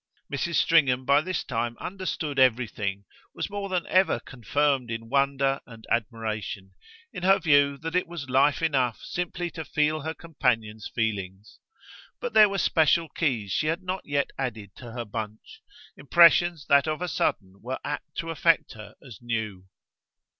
Mrs. Stringham by this time understood everything, was more than ever confirmed in wonder and admiration, in her view that it was life enough simply to feel her companion's feelings; but there were special keys she had not yet added to her bunch, impressions that of a sudden were apt to affect her as new.